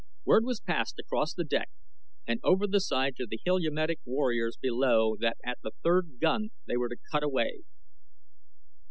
Word was passed across the deck and over the side to the Heliumetic warriors below that at the third gun they were to cut away.